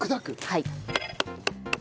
はい。